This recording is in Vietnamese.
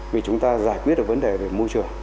vì chúng ta giải quyết được vấn đề về môi trường